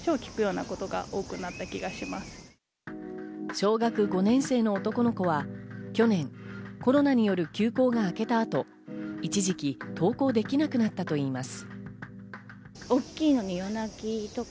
小学５年生の男の子は去年、コロナによる休校が明けたあと、一時期、登校できなくなったといいます。